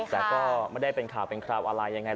แต่ก็ไม่ได้เป็นข่าวเป็นคราวอะไรยังไง